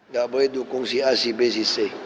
gak boleh dukung si a si b si c